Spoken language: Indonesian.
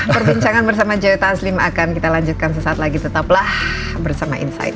perbincangan bersama joe taslim akan kita lanjutkan sesaat lagi tetaplah bersama insight